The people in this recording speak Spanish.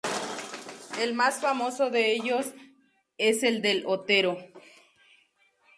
El más famoso de ellos es el del Otero.